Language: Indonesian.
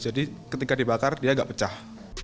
jadi ketika dibakar dia agak pecah